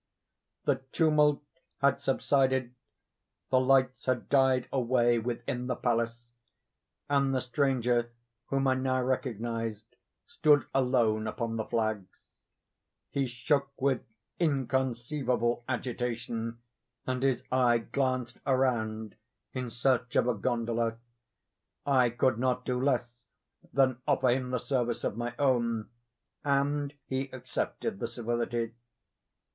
The tumult had subsided, the lights had died away within the palace, and the stranger, whom I now recognized, stood alone upon the flags. He shook with inconceivable agitation, and his eye glanced around in search of a gondola. I could not do less than offer him the service of my own; and he accepted the civility.